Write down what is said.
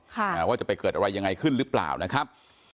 ว่าจะไปเกิดอะไรยังไงขึ้นหรือเปล่านะครับ